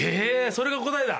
『それが答えだ！』？